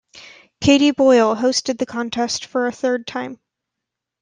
Katie Boyle hosted the contest for a third time.